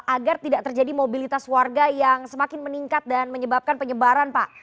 agar tidak terjadi mobilitas warga yang semakin meningkat dan menyebabkan penyebaran pak